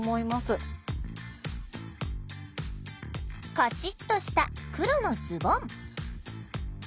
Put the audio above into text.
カチッとした黒のズボン。